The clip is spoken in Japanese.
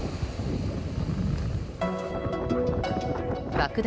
爆弾